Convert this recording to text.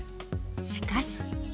しかし。